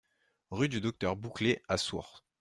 Rue du Docteur Bouclet à Sours